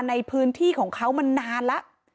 ในพื้นที่ของเขามันนานแล้ว